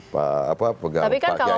pak yaya tapi kalau